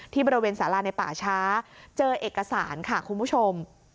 บริเวณสาราในป่าช้าเจอเอกสารค่ะคุณผู้ชม